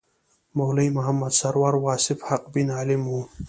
مولوي محمد سرور واصف حقبین عالم و.